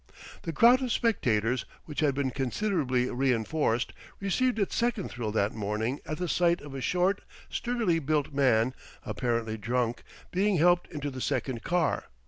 The crowd of spectators, which had been considerably reinforced, received its second thrill that morning at the sight of a short sturdily built man, apparently drunk, being helped into the second car.